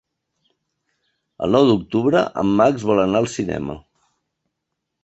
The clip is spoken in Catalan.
El nou d'octubre en Max vol anar al cinema.